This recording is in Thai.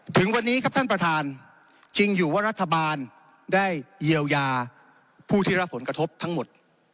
ถึงวันนี้ครับท่านประธานจริงอยู่ว่ารัฐบาลได้เยียวยาผู้ที่รับผลกระทบทั้งหมด